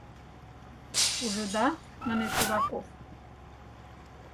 — Ужыда? — манеш Ураков.